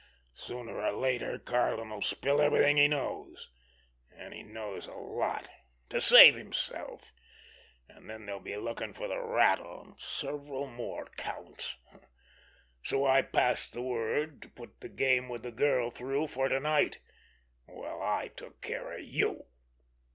Sooner or later Karlin'll spill everything he knows, and he knows a lot, to save himself; and then they'll be looking for the Rat on several other counts. So I passed the word to put the game with the girl through for to night—while I took care of you."